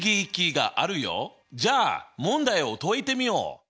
じゃあ問題を解いてみよう！